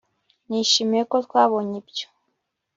Nishimiye ko twabonye ibyo